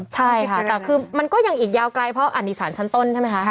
ใช่ค่ะแต่คือมันก็ยังอีกยาวไกลเพราะอันนี้สารชั้นต้นใช่ไหมคะ